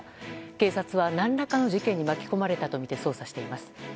警察は何らかの事件に巻き込まれたとみて捜査しています。